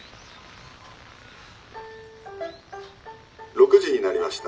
「６時になりました。